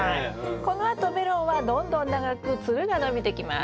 このあとメロンはどんどん長くツルが伸びてきます。